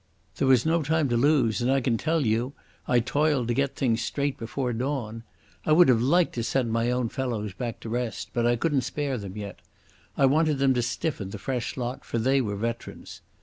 There was no time to lose, and I can tell you I toiled to get things straight before dawn. I would have liked to send my own fellows back to rest, but I couldn't spare them yet. I wanted them to stiffen the fresh lot, for they were veterans.